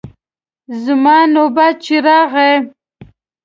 زما نوبت چې راغی.